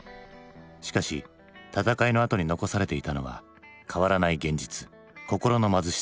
しかし闘いのあとに残されていたのは変わらない現実心の貧しさ。